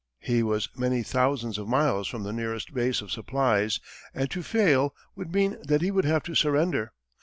He was many thousands of miles from the nearest base of supplies and to fail would mean that he would have to surrender.